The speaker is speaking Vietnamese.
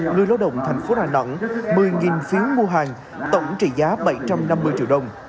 người lao động tp đà nẵng một mươi phiếu mua hàng tổng trị giá bảy trăm năm mươi triệu đồng